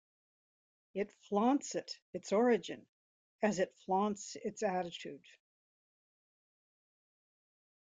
It flaunts it - its origin - as it flaunts its attitude.